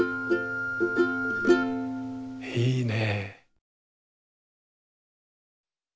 いいね。